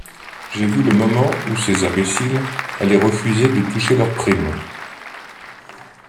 J’ai vu le moment où ces imbéciles allaient refuser de toucher leur prime!...